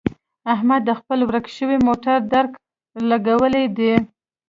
احمد د خپل ورک شوي موټر درک لګولی دی.